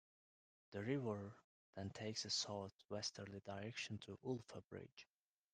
The river then takes a south-westerly direction to Ulpha Bridge.